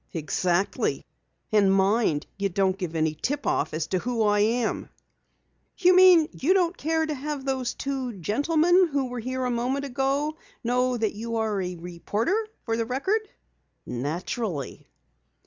"Exactly. And mind you don't give any tip off as to who I am!" "You mean you don't care to have those two gentlemen who were here a moment ago know that you are a reporter for the Record." "Naturally."